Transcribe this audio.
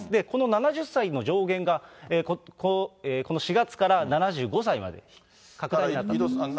この７０歳の上限がこの４月から７５歳まで拡大になった。